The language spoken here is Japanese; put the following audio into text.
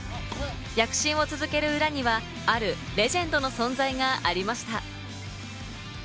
躍進を続ける裏には、あるレジェンドの存在がありました。